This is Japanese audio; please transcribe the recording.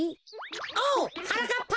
おうはなかっぱ！